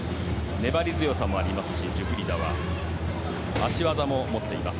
粘り強さもあるジュフリダは足技も持っています。